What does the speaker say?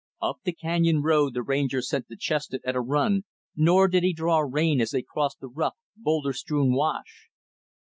Up the canyon road, the Ranger sent the chestnut at a run, nor did he draw rein as they crossed the rough boulder strewn wash.